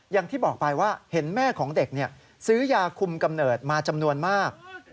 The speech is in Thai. อย่างที่บอกไปว่าเห็นแม่ของเด็กซื้อยาคุมกำเนิดมาจำนวนมาก